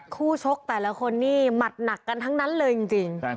ชกแต่ละคนนี่หมัดหนักกันทั้งนั้นเลยจริง